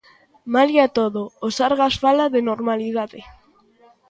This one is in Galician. Malia todo, o Sergas fala de "normalidade".